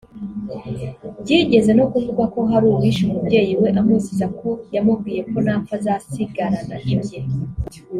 Byigeze no kuvugwa ko hari uwishe umubyezi we amuziza ko yamubwiye ko napfa azasigarana ibye